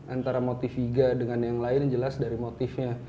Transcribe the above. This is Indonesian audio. antara motiviga dengan yang lain jelas dari motifnya